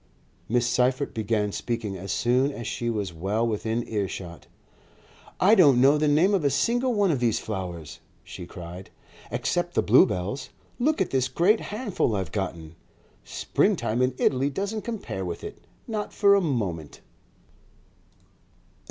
Miss Seyffert began speaking as soon as she was well within earshot. "I don't know the name of a single one of these flowers," she cried, "except the bluebells. Look at this great handful I've gotten! Springtime in Italy doesn't compare with it, not for a moment."